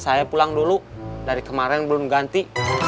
saya pulang dulu dari kemarin belum ganti